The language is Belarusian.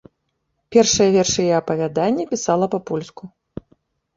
Першыя вершы і апавяданні пісала па-польску.